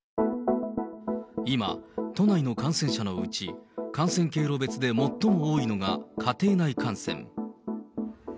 今、都内の感染者のうち、感染経路別で最も多いのが家庭内感染。